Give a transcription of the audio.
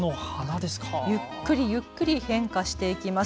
ゆっくり、ゆっくり変化していきます。